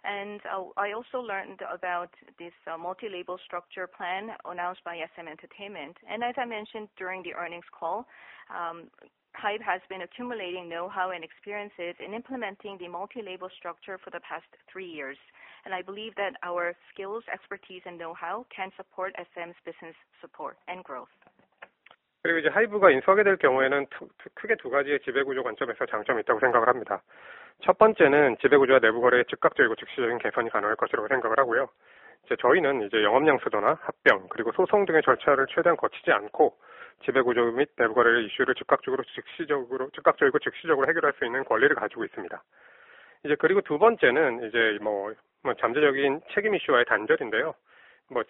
I also learned about this multi-label structure plan announced by SM Entertainment. As I mentioned during the earnings call, HYBE has been accumulating know-how and experiences in implementing the multi-label structure for the past three years. I believe that our skills, expertise and know-how can support SM's business support and growth. HYBE가 인수하게 될 경우에는 크게 2가지의 지배구조 관점에서 장점이 있다고 생각을 합니다. 첫 번째는 지배구조와 내부 거래의 즉각적이고 즉시적인 개선이 가능할 것이라고 생각을 하고요. 저희는 영업양수도나 합병 그리고 소송 등의 절차를 최대한 거치지 않고 지배구조 및 내부거래 이슈를 즉각적이고 즉시적으로 해결할 수 있는 권리를 가지고 있습니다. 두 번째는 잠재적인 책임 이슈와의 단절인데요.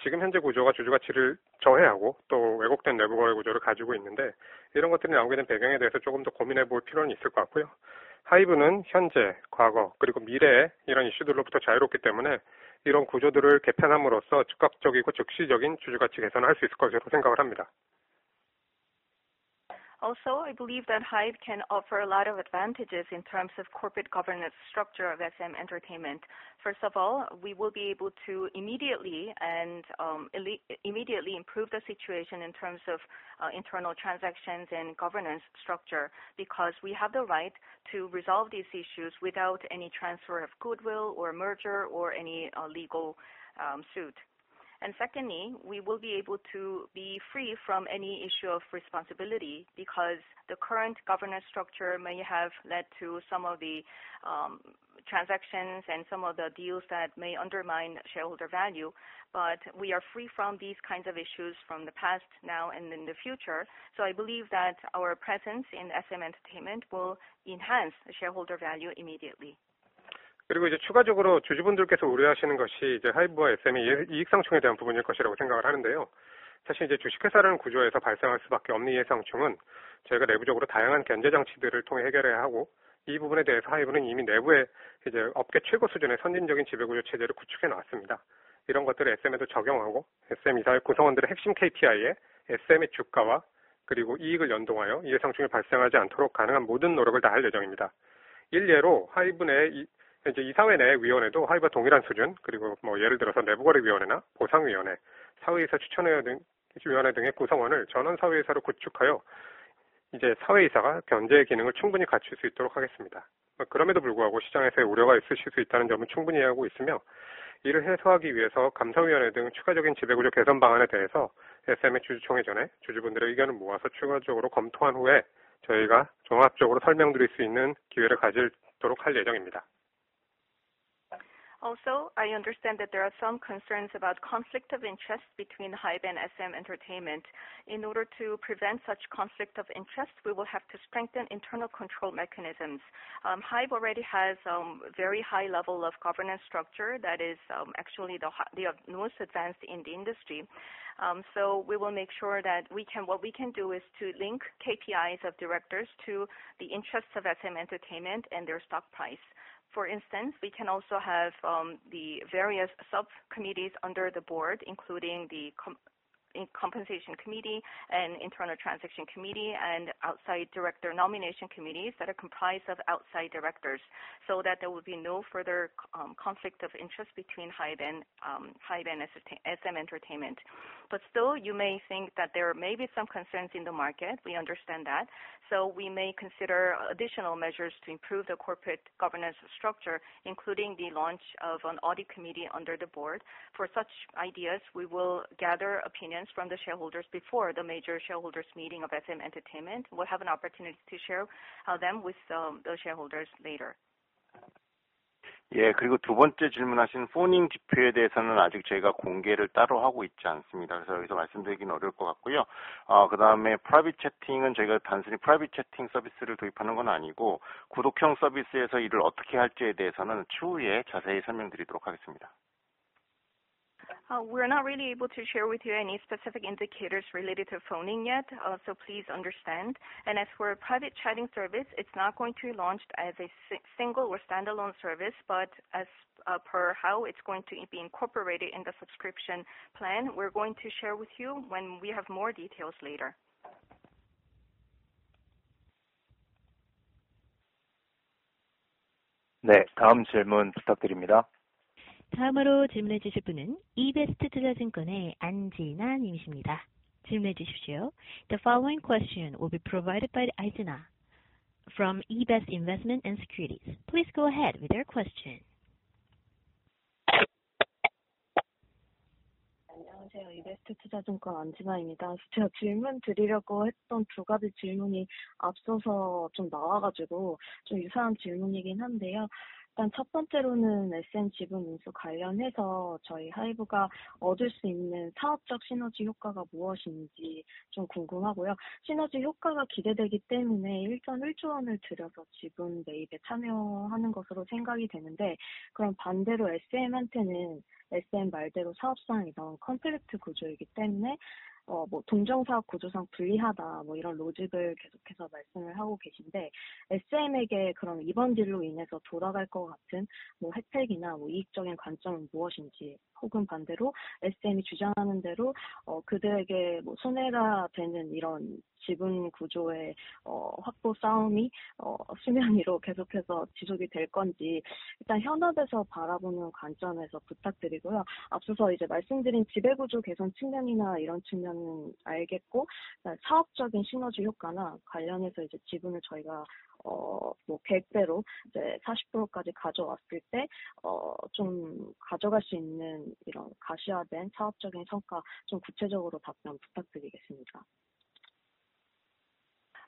지금 현재 구조가 주주 가치를 저해하고 또 왜곡된 내부거래 구조를 가지고 있는데, 이런 것들이 나오고 있는 배경에 대해서 조금 더 고민해 볼 필요는 있을 것 같고요. HYBE는 현재, 과거, 그리고 미래의 이런 이슈들로부터 자유롭기 때문에 이런 구조들을 개편함으로써 즉각적이고 즉시적인 주주 가치 개선을 할수 있을 것이라고 생각을 합니다. I believe that HYBE can offer a lot of advantages in terms of corporate governance structure of SM Entertainment. First of all, we will be able to immediately improve the situation in terms of internal transactions and governance structure because we have the right to resolve these issues without any transfer of goodwill or merger or any legal suit. Secondly, we will be able to be free from any issue of responsibility because the current governance structure may have led to some of the transactions and some of the deals that may undermine shareholder value. We are free from these kinds of issues from the past, now, and in the future. I believe that our presence in SM Entertainment will enhance shareholder value immediately. I understand that there are some concerns about conflict of interest between HYBE and SM Entertainment. In order to prevent such conflict of interest, we will have to strengthen internal control mechanisms. HYBE already has very high level of governance structure that is actually the most advanced in the industry. We will make sure that what we can do is to link KPIs of directors to the interests of SM Entertainment and their stock price. For instance, we can also have the various sub-committees under the board, including the compensation committee and internal transaction committee and outside director nomination committees that are comprised of outside directors, so that there will be no further conflict of interest between HYBE and HYBE and SM Entertainment. Still, you may think that there may be some concerns in the market. We understand that. We may consider additional measures to improve the corporate governance structure, including the launch of an audit committee under the board. For such ideas, we will gather opinions from the shareholders before the major shareholders meeting of SM Entertainment. We'll have an opportunity to share them with the shareholders later. We're not really able to share with you any specific indicators related to Phoning yet. So please understand. As for private chatting service, it's not going to be launched as a single or standalone service, but as per how it's going to be incorporated in the subscription plan, we're going to share with you when we have more details later. The following question will be provided by Ahn Jin-ah from E-Best Investment & Securities. Please go ahead with your question.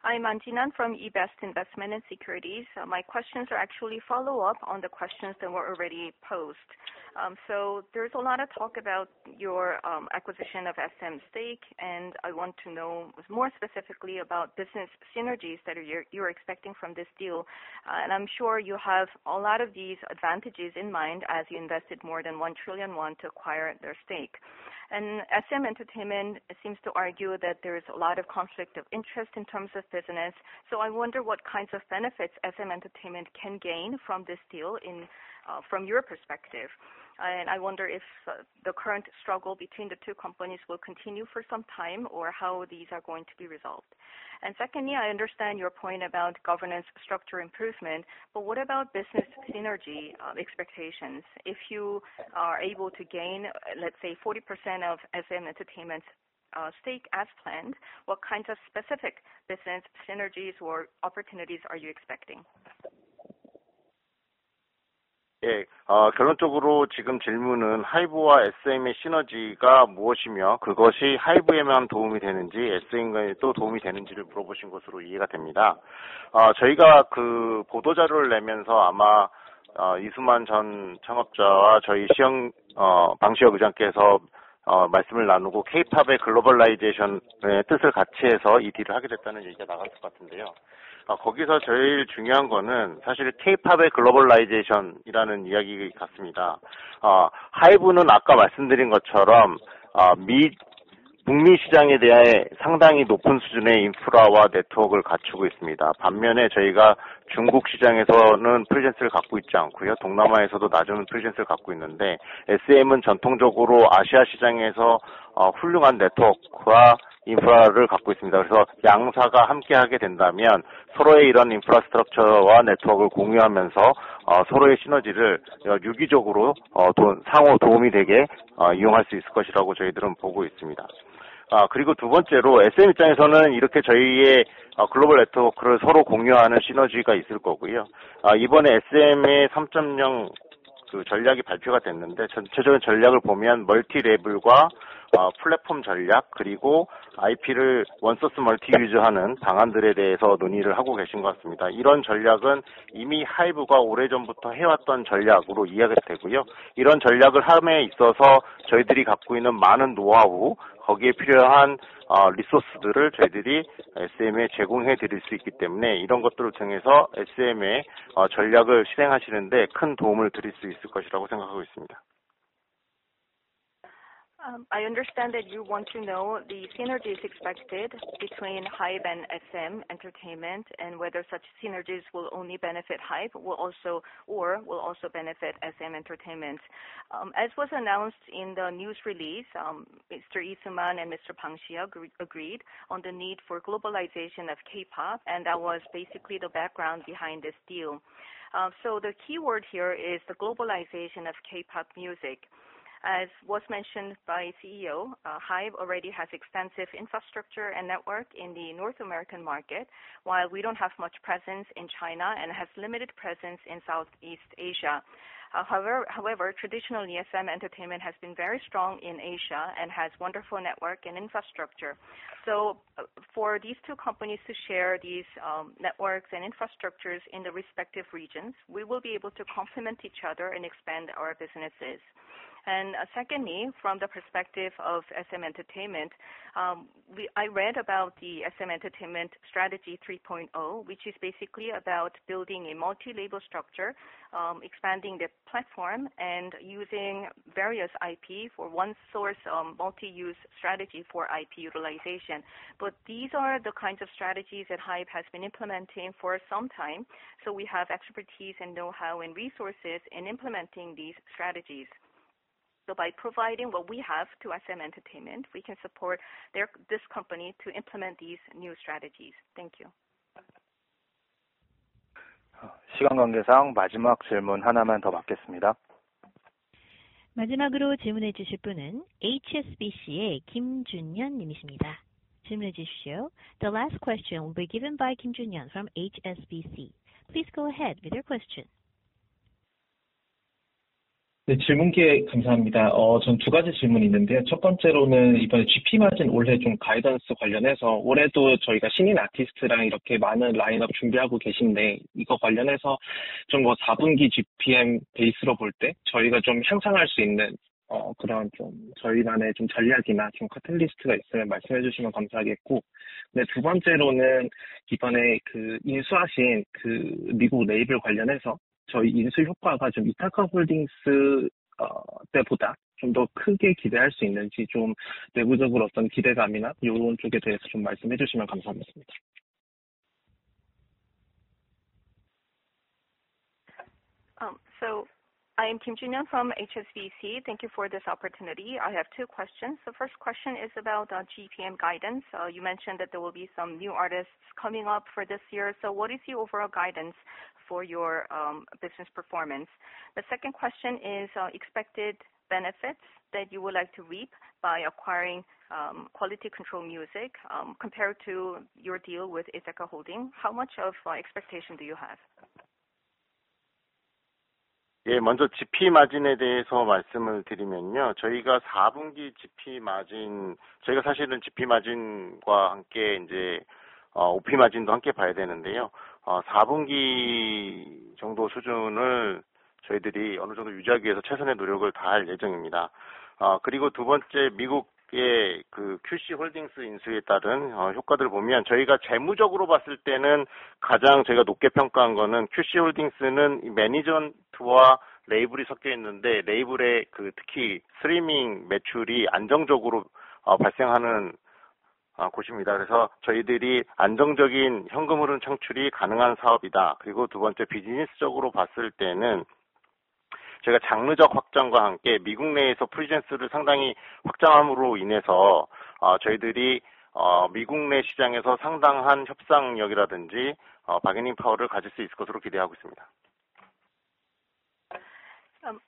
I'm Ahn Jin-ah from E-Best Investment & Securities. My questions are actually follow up on the questions that were already posed. There's a lot of talk about your acquisition of SM stake, and I want to know more specifically about business synergies that you're expecting from this deal. I'm sure you have a lot of these advantages in mind as you invested more than 1 trillion won to acquire their stake. SM Entertainment seems to argue that there is a lot of conflict of interest in terms of business. I wonder what kinds of benefits SM Entertainment can gain from this deal from your perspective. I wonder if the current struggle between the two companies will continue for some time, or how these are going to be resolved. Secondly, I understand your point about governance structure improvement, but what about business synergy expectations? If you are able to gain, let's say, 40% of SM Entertainment's stake as planned, what kinds of specific business synergies or opportunities are you expecting? 결론적으로 지금 질문은 HYBE와 SM의 시너지가 무엇이며, 그것이 HYBE에만 도움이 되는지 SM에도 도움이 되는지를 물어보신 것으로 이해가 됩니다. 저희가 그 보도자료를 내면서 아마 Lee Soo-man former Founder와 저희 Bang Si-hyuk Chairman께서 말씀을 나누고 K-pop의 Globalization의 뜻을 같이 해서 이 딜을 하게 됐다는 얘기가 나갔을 것 같은데요. 거기서 제일 중요한 거는 사실 K-pop의 Globalization이라는 이야기 같습니다. HYBE는 아까 말씀드린 것처럼 북미 시장에 대해 상당히 높은 수준의 인프라와 네트워크를 갖추고 있습니다. 반면에 저희가 중국 시장에서는 presence를 갖고 있지 않고요. 동남아에서도 낮은 presence를 갖고 있는데 SM은 전통적으로 아시아 시장에서 훌륭한 네트워크와 인프라를 갖고 있습니다. 양 사가 함께 하게 된다면 서로의 이런 infrastructure와 네트워크를 공유하면서 서로의 시너지를 유기적으로 상호 도움이 되게 이용할 수 있을 것이라고 저희들은 보고 있습니다. 두 번째로 SM 입장에서는 이렇게 저희의 글로벌 네트워크를 서로 공유하는 시너지가 있을 거고요. 이번에 SM 3.0 그 전략이 발표가 됐는데 전체적인 전략을 보면 Multi-label과 플랫폼 전략, 그리고 IP를 One Source Multi-Use하는 방안들에 대해서 논의를 하고 계신 것 같습니다. 이런 전략은 이미 HYBE가 오래전부터 해왔던 전략으로 이해가 되고요. 이런 전략을 함에 있어서 저희들이 갖고 있는 많은 노하우, 거기에 필요한 리소스들을 저희들이 SM에 제공해 드릴 수 있기 때문에, 이런 것들을 통해서 SM의 전략을 실행하시는데 큰 도움을 드릴 수 있을 것이라고 생각하고 있습니다. I understand that you want to know the synergies expected between HYBE and SM Entertainment and whether such synergies will only benefit HYBE or will also benefit SM Entertainment. As was announced in the news release, Mr. Lee Soo-man and Mr. Bang Si-hyuk agreed on the need for globalization of K-pop, and that was basically the background behind this deal. The key word here is the globalization of K-pop music. As was mentioned by CEO, HYBE already has extensive infrastructure and network in the North American market. While we don't have much presence in China and has limited presence in Southeast Asia. However, traditionally SM Entertainment has been very strong in Asia and has wonderful network and infrastructure. For these two companies to share these networks and infrastructures in the respective regions, we will be able to complement each other and expand our businesses. Secondly, from the perspective of SM Entertainment, I read about the SM Entertainment Strategy 3.0, which is basically about building a multi-label structure, expanding the platform and using various IP for one source multi-use strategy for IP utilization. These are the kinds of strategies that HYBE has been implementing for some time. We have expertise and know-how and resources in implementing these strategies. By providing what we have to SM Entertainment, we can support this company to implement these new strategies. Thank you. 시간 관계상 마지막 질문 하나만 더 받겠습니다. 마지막으로 질문해 주실 분은 HSBC의 김 Jun-hyun 님이십니다. 질문해 주십시오. The last question will be given by Kim Jun-hyun from HSBC. Please go ahead with your question. 네, 질문 기회 감사합니다. 어, 전두 가지 질문이 있는데요. 첫 번째로는 이번에 GP 마진 올해 좀 가이던스 관련해서 올해도 저희가 신인 아티스트랑 이렇게 많은 라인업 준비하고 계신데 이거 관련해서 좀뭐사 분기 GPM 베이스로 볼때 저희가 좀 상상할 수 있는, 어, 그런 좀 저희만의 좀 전략이나 좀 카탈리스트가 있으면 말씀해 주시면 감사하겠고. 네, 두 번째로는 이번에 그 인수하신 그 미국 레이블 관련해서 저희 인수 효과가 좀 이타카 홀딩스, 어, 때보다 좀더 크게 기대할 수 있는지 좀 내부적으로 어떤 기대감이나 요런 쪽에 대해서 좀 말씀해 주시면 감사하겠습니다. I am Kim Jun-hyun from HSBC. Thank you for this opportunity. I have 2 questions. The first question is about GPM guidance. You mentioned that there will be some new artists coming up for this year. What is your overall guidance for your business performance? The 2nd question is expected benefits that you would like to reap by acquiring Quality Control Music compared to your deal with Ithaca Holdings. How much of expectation do you have? 예, 먼저 GP 마진에 대해서 말씀을 드리면요. 저희가 사 분기 GP 마진... 저희가 사실은 GP 마진과 함께 이제, 어, OP 마진도 함께 봐야 되는데요. 어, 사 분기 정도 수준을 저희들이 어느 정도 유지하기 위해서 최선의 노력을 다할 예정입니다. 어, 그리고 두 번째, 미국의 QC 홀딩스 인수에 따른, 어, 효과들을 보면 저희가 재무적으로 봤을 때는 가장 저희가 높게 평가한 거는 QC 홀딩스는 이 Management와 Label이 섞여 있는데 Label의 그 특히 Streaming 매출이 안정적으로, 어, 발생하는, 어, 곳입니다. 그래서 저희들이 안정적인 현금 흐름 창출이 가능한 사업이다. 그리고 두 번째, 비즈니스적으로 봤을 때는 저희가 장르적 확장과 함께 미국 내에서 presence를 상당히 확장함으로 인해서, 어, 저희들이, 어, 미국 내 시장에서 상당한 협상력이라든지, 어, bargaining power를 가질 수 있을 것으로 기대하고 있습니다.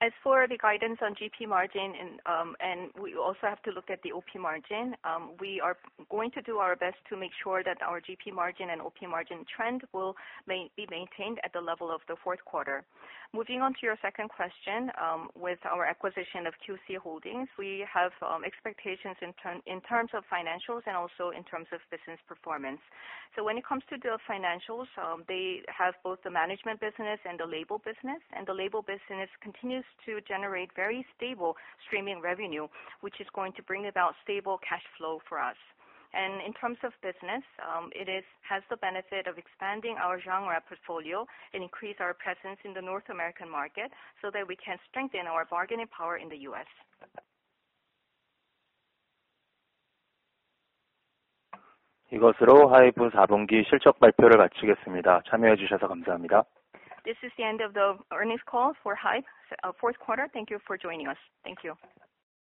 As for the guidance on GP margin and we also have to look at the OP margin. We are going to do our best to make sure that our GP margin and OP margin trend will be maintained at the level of the fourth quarter. Moving on to your second question, with our acquisition of QC Holdings, we have expectations in terms of financials and also in terms of business performance. When it comes to the financials, they have both the management business and the label business, and the label business continues to generate very stable streaming revenue, which is going to bring about stable cash flow for us. In terms of business, it has the benefit of expanding our genre portfolio and increase our presence in the North American market so that we can strengthen our bargaining power in the U.S. 이것으로 하이브 사 분기 실적 발표를 마치겠습니다. 참여해 주셔서 감사합니다. This is the end of the earnings call for HYBE, fourth quarter. Thank you for joining us. Thank you.